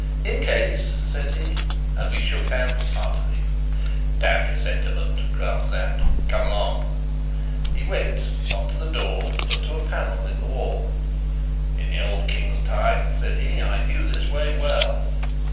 "In case," said he; and we shook hands heartily. "Damn your sentiment!" growled Sapt. "Come along." He went, not to the door, but to a panel in the wall. "In the old King's time," said he, "I knew this way well."